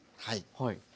はい。